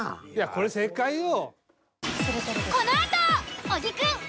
これ正解よ。